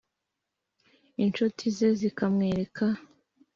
inshuti ze zikamwereka